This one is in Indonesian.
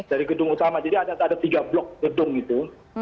dari gedung utama jadi ada tiga blok gedung gitu